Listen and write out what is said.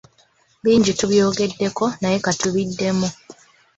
Bingi tubyogeddeko naye ka tubiddemu.